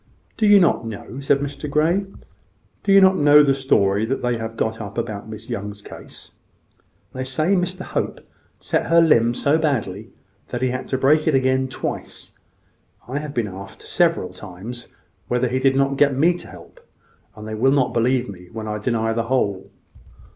"Do not you know?" said Mr Grey. "Do not you know the story they have got up about Miss Young's case. They say Mr Hope set her limb so badly that he had to break it again twice. I have been asked several times whether he did not get me to help him: and they will not believe me when I deny the whole."